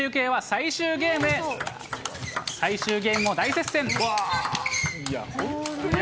最終ゲームも大接戦。